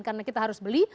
karena kita harus beli